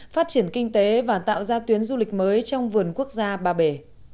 phát triển kinh tế và tạo ra tuyến du lịch mới trong vườn quốc gia ba bể